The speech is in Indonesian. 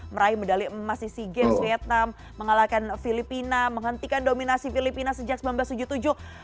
meraih medali emas di sea games vietnam mengalahkan filipina menghentikan dominasi filipina sejak seribu sembilan ratus tujuh puluh tujuh